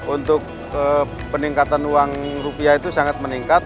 untuk peningkatan uang rupiah itu sangat meningkat